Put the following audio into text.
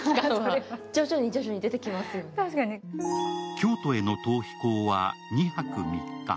京都への逃避行は２泊３日。